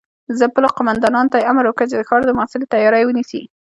خپلو قوماندانانو ته يې امر وکړ چې د ښار د محاصرې تياری ونيسي.